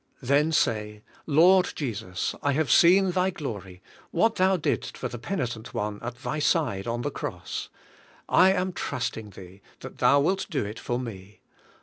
Then say: "Lord Jesus, I have seen Thy glory, what Thou didst for the penitent one at Thy side on the cross; lam trusting Thee, that Thou wilt doit for me.